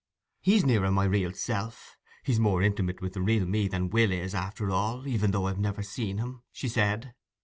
'He's nearer my real self, he's more intimate with the real me than Will is, after all, even though I've never seen him,' she said.